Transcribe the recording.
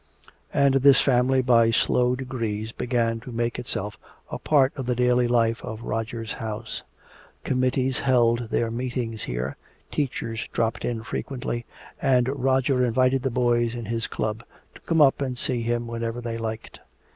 And this family by slow degrees began to make itself a part of the daily life of Roger's house. Committees held their meetings here, teachers dropped in frequently, and Roger invited the boys in his club to come up and see him whenever they liked.